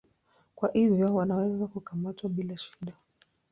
Kwa hivyo wanaweza kukamatwa bila shida.